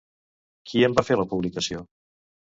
Qui en va fer la publicació?